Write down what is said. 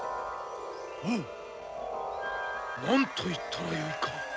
おっ何と言ったらよいか。